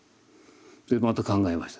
でまた考えました。